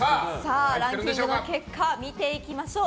ランキングの結果見ていきましょう。